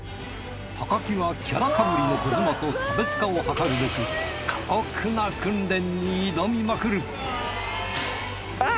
木はキャラ被りの児嶋と差別化を図過酷な訓練に挑みまくるあぁ。